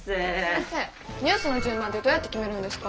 先生ニュースの順番ってどうやって決めるんですか？